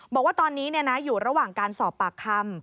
บอกว่าตอนนี้อยู่ระหว่างการสอบปากคำ